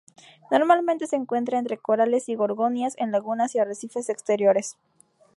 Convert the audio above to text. Normalmente se encuentra entre corales y gorgonias, en lagunas y arrecifes exteriores.